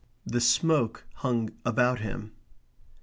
The smoke hung about him.